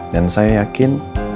dan saya yakin